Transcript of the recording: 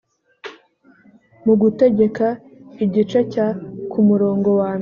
mu gutegeka igice cya ku murongo wa mbere